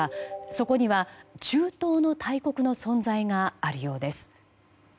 そこには、中東の大国の存在があるようです。